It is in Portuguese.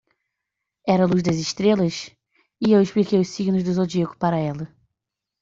Era a luz das estrelas? e eu expliquei os Signos do Zodíaco para ela.